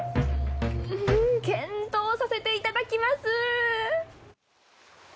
んん検討させていただきます！